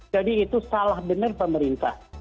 jadi itu salah benar pemerintah